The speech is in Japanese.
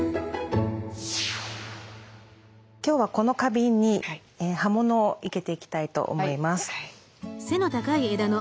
今日はこの花瓶に葉物を生けていきたいと思います。